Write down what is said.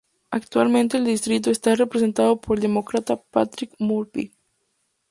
Actualmente el distrito está representado por el Demócrata Patrick Murphy.